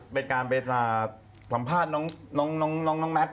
ไปการสัมภาษณ์น้องแม่ม์